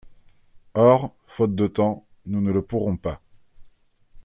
Or, faute de temps, nous ne le pourrons pas.